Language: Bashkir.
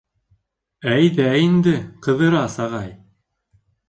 — Әйҙә инде, Ҡыҙырас ағай!..